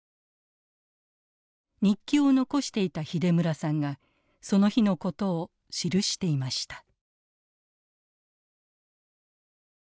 日記を残していた秀村さんがその日のことを記していました。